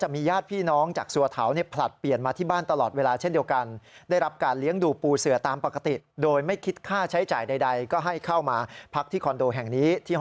เมื่อ๒ปีก่อน